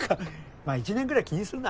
まあ１年くらい気にするな。